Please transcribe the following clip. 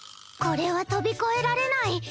これは飛び越えられない。